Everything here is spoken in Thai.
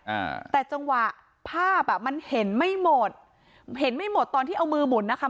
อ่าแต่จังหวะภาพอ่ะมันเห็นไม่หมดเห็นไม่หมดตอนที่เอามือหมุนนะคะ